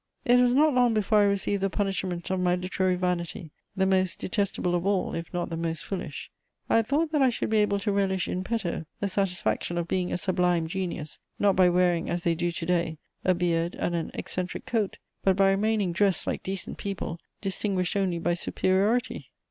* It was not long before I received the punishment of my literary vanity, the most detestable of all, if not the most foolish: I had thought that I should be able to relish in petto the satisfaction of being a sublime genius, not by wearing, as they do to day, a beard and an eccentric coat, but by remaining dressed like decent people, distinguished only by superiority.